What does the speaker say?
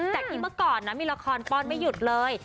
แต่ที่เมื่อก่อนนะมีละครป้อนไม่หยุดเลย